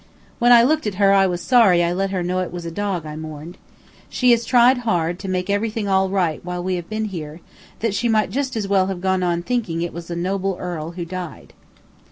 When I looked at her, I was sorry I let her know it was a dog I mourned. She has tried so hard to make everything all right while we have been here, that she might just as well have gone on thinking that it was a noble earl who died.